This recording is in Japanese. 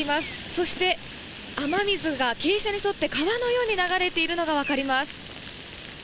そして、雨水が傾斜に沿って川のように流れているのが分かります。